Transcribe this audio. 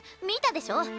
見たでしょ。